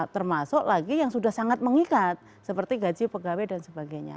termasuk lagi yang sudah sangat mengikat seperti gaji pegawai dan sebagainya